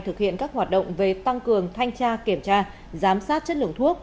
thực hiện các hoạt động về tăng cường thanh tra kiểm tra giám sát chất lượng thuốc